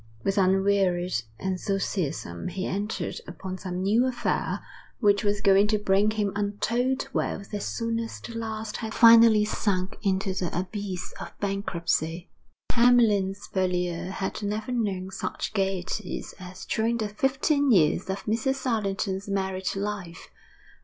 With unwearied enthusiasm he entered upon some new affair which was going to bring him untold wealth as soon as the last had finally sunk into the abyss of bankruptcy. Hamlyn's Purlieu had never known such gaieties as during the fifteen years of Mrs. Allerton's married life.